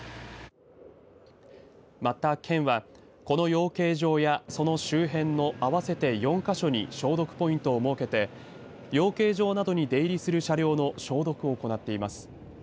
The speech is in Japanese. また県はこの養鶏場やその周辺の合わせて４か所に消毒ポイントを設けて養鶏場などに出入りする車両の消毒を行っています。